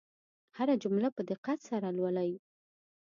هره جمله په دقت سره لولئ.